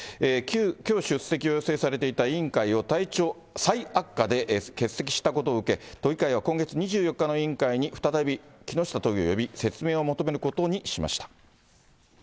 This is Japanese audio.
きょう出席を予定していた委員会を体調再悪化で欠席したことを受け、都議会は今月２４日の委員会に再び、木下都議を呼び、説明を求めることにしました。